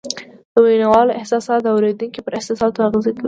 د ویناوال احساسات د اورېدونکي پر احساساتو اغېز کوي